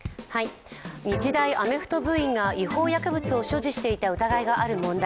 日大アメフト部員が違法薬物を所持していた疑いがある問題。